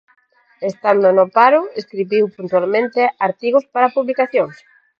Estando no paro, escribiu puntualmente artigos para publicacións.